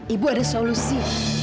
ibu ada solusi